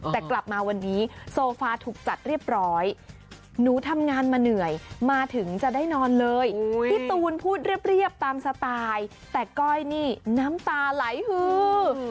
แต่กลับมาวันนี้โซฟาถูกจัดเรียบร้อยหนูทำงานมาเหนื่อยมาถึงจะได้นอนเลยพี่ตูนพูดเรียบตามสไตล์แต่ก้อยนี่น้ำตาไหลฮือ